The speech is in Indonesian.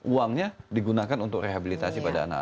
uangnya digunakan untuk rehabilitasi pada anak